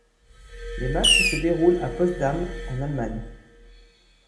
Les matchs se déroulent à Potsdam en Allemagne.